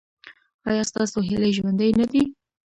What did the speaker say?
ایا ستاسو هیلې ژوندۍ نه دي؟